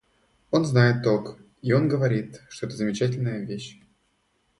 Он знает толк, и он говорит, что это замечательная вещь.